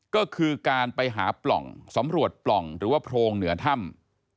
ก็คือการไปหาปล่องสำรวจปล่องหรือว่าโพรงเหนือถ้ำ